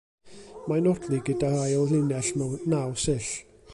Mae'n odli gyda'r ail linell naw sill.